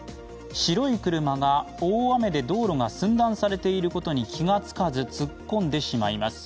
白い車が大雨で道路が寸断されていることに気がつかず突っ込んでしまいます。